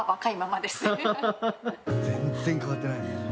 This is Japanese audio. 全然変わってないね。